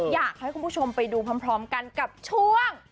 อยากให้คุณผู้ชมไปดูพร้อมกันกับช่วง